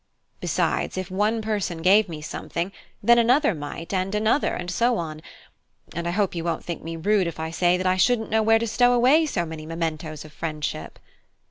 Besides, if one person gave me something, then another might, and another, and so on; and I hope you won't think me rude if I say that I shouldn't know where to stow away so many mementos of friendship."